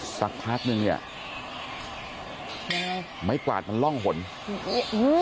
สักพักหนึ่งเนี่ยไม้กวาดมันร่องหล่น